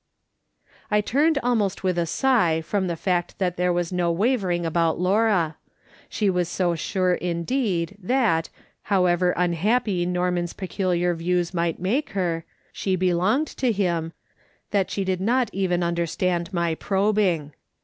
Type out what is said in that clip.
294 ^^^'S. SOLOMON' SMITH LOOKING ON. I turned almost with a si;j,h from the fact that there was no wavering about Laura ; she was so sure indeed that, however unhappy Norman's peculiar views might make her, she belonged to him, tliat slie did not even understand my probing.